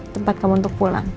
tempat kamu untuk pulang